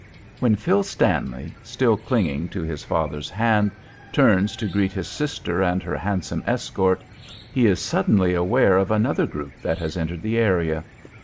When Phil Stanley, still clinging to his father's hand, turns to greet his sister and her handsome escort, he is suddenly aware of another group that has entered the area.